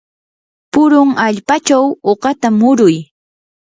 purun allpachaw uqata muruy.